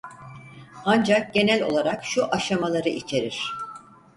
Ancak genel olarak şu aşamaları içerir: